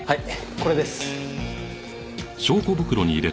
これです。